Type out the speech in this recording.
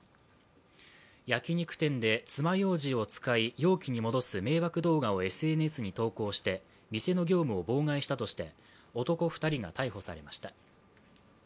焼肉店で爪ようじを使い、容器に戻す迷惑動画をＳＮＳに投稿して店の業務を妨害したとして男２人が逮捕されました。